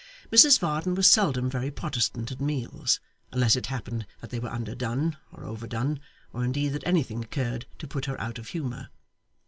Mrs Varden was seldom very Protestant at meals, unless it happened that they were underdone, or overdone, or indeed that anything occurred to put her out of humour.